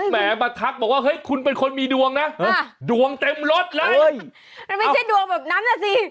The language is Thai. แหมมาทักบอกว่าเฮ้ยคุณเป็นคนมีดวงนะดวงเต็มรถเลยมันไม่ใช่ดวงแบบนั้นน่ะสิ